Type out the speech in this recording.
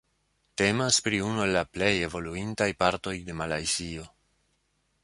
Temas pri unu el la plej evoluintaj partoj de Malajzio.